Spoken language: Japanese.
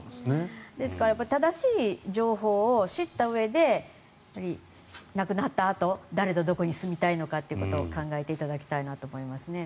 ですから正しい情報を知ったうえで亡くなったあと誰とどこに住みたいのかということを考えていただきたいなと思いますね。